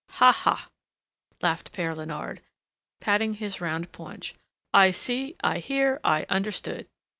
"Ha! ha!" laughed Père Léonard, patting his round paunch, "I see, I hear, I understood!"